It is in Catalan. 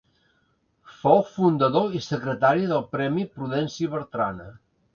Fou fundador i secretari del premi Prudenci Bertrana.